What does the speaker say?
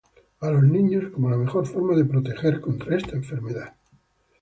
a los niños como la mejor forma de proteger contra esta enfermedad